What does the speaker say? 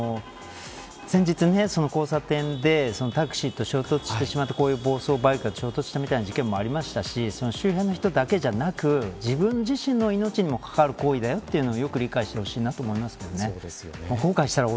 先日、交差点でタクシーと衝突してしまったこういう暴走バイクが衝突した事件もありましたし周辺の人にも関わるこというのをよく理解してほしいと思いますけどね。